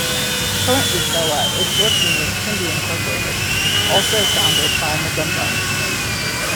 Currently Sowa is working with Kyndi Incorporated also founded by Majumdar.